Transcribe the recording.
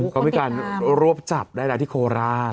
ก็มีการรวบจับรายละที่โคราช